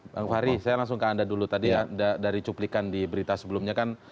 bang fahri saya langsung ke anda dulu tadi dari cuplikan di berita sebelumnya kan